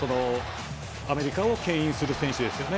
アメリカをけん引する選手ですね。